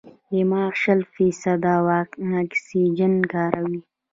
دماغ شل فیصده اکسیجن کاروي.